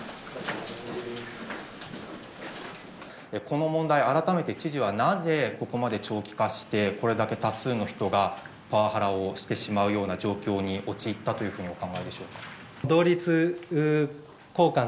この問題改めて知事はなぜここまで長期化してこれだけ多数の人がパワハラをしてしまうような状況に陥ったというふうにお考えでしょうか？